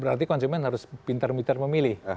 berarti konsumen harus pintar pintar memilih